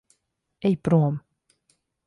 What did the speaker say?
Ej prom.